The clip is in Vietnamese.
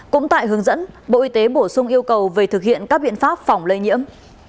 cũng tại hướng dẫn bộ y tế bổ sung yêu cầu về thực hiện các biện pháp phòng lây nhiễm